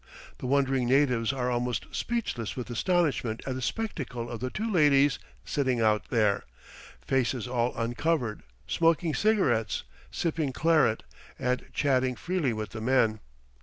The wondering natives are almost speechless with astonishment at the spectacle of the two ladies sitting out there, faces all uncovered, smoking cigarettes, sipping claret, and chatting freely with the men.